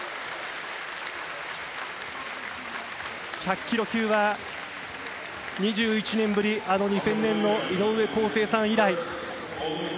１００ｋｇ級は２１年ぶりあの２０００年の井上康生さん以来。